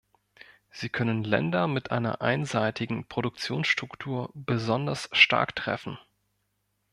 Sie können Länder mit einer einseitigen Produktionsstruktur besonders stark treffen.